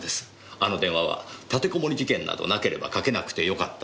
あの電話は立てこもり事件などなければかけなくてよかった